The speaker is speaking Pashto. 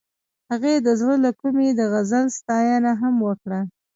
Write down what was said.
هغې د زړه له کومې د غزل ستاینه هم وکړه.